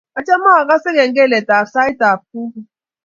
Achame akase kengelet ap sait ap kuko.